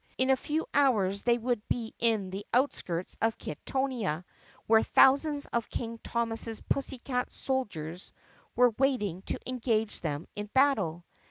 In a few hours they would be in the outskirts of Kittonia where thousands of King Thomas's pussycat soldiers were waiting to engage them in battle.